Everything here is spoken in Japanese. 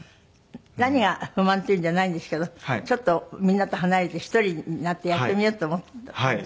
何が不満というんじゃないんですけどちょっとみんなと離れて１人になってやってみようと思ってた感じ